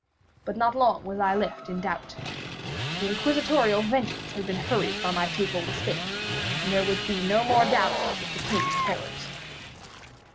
But not long was I left in doubt. The Inquisitorial vengeance had been hurried by my two fold escape, and there was to be no more dallying with the King of Terrors.